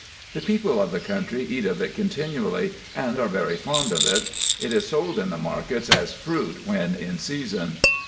The people of the country eat of it continually, and are very fond of it. It is sold in the markets as fruit when in season.